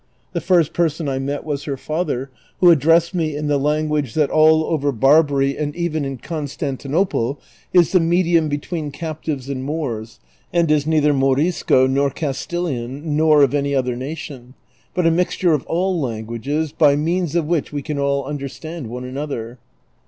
The first person I met was her father, who ad dressed me in the language that all over Barbai'y and even in Con stantinople is the medium between captives and Moors, and is neither Morisco nor Castilian, nor of any other nation, but a mixture of all languages, by means of which we can all understand one another.